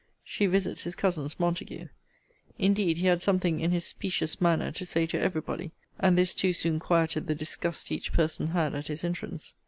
She visits his cousins Montague. Indeed he had something in his specious manner to say to every body: and this too soon quieted the disgust each person had at his entrance.